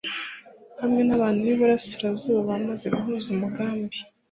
hamwe n'abantu b'iburasirazuba bamaze guhuza umugambi